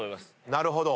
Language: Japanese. なるほど。